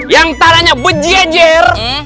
yang tanahnya bejjejer